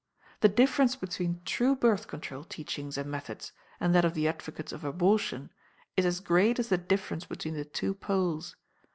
The difference between true Birth Control teachings and methods, and that of the advocates of abortion, is as great as the difference between the two poles.